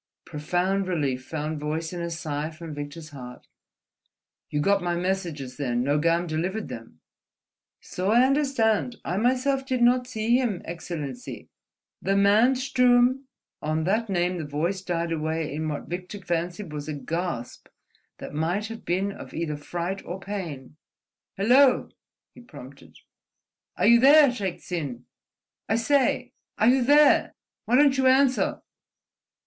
Profound relief found voice in a sigh from Victor's heart. "You got my messages, then? Nogam delivered them?" "So I understand. I myself did not see him, Excellency. The man Sturm—" On that name the voice died away in what Victor fancied was a gasp that might have been of either fright or pain. "Hello!" he prompted. "Are you there, Shaik Tsin? I say! Are you there? Why don't you answer?"